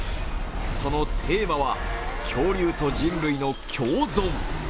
そのテーマは、恐竜と人類の共存。